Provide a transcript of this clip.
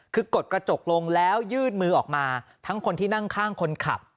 คือกดกระจกลงแล้วยืดมือออกมาทั้งคนที่นั่งข้างคนขับ